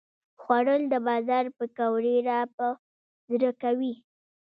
خوړل د بازار پکوړې راپه زړه کوي